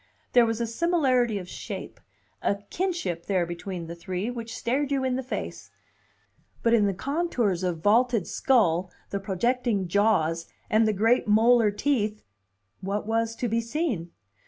There was a similarity of shape, a kinship there between the three, which stared you in the face; but in the contours of vaulted skull, the projecting jaws, and the great molar teeth what was to be seen?